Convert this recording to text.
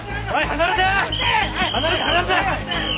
離れて離れて！